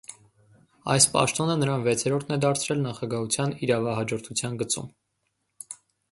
Այս պաշտոնը նրան վեցերորդն է դարձրել նախագահության իրավահաջորդության գծում։